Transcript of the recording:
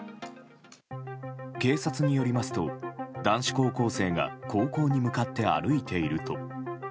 警察によりますと男子高校生が高校に向かって歩いていると。